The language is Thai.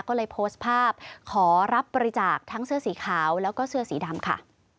ก็เลยโพสต์ภาพขอรับบริจาคทั้งเสื้อสีขาวแล้วก็เสื้อสีดำค่ะ